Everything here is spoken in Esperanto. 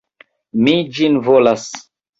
Mi ĝin volas!